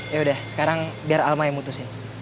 yaudah sekarang biar alma yang mutusin